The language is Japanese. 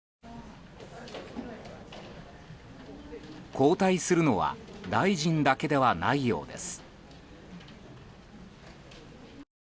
交代するのは大臣だけではないようです。